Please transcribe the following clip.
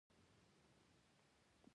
د اژدها نڅا یې د خوښۍ سمبول دی.